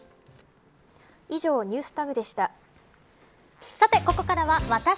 以上、ＮｅｗｓＴａｇでした。